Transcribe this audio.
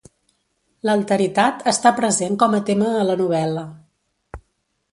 L'alteritat està present com a tema a la novel·la.